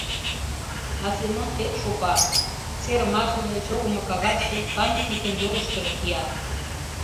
А Семон тек шопа: серымашыже, чогымо кагазше, памятникын йолыштыжо кия.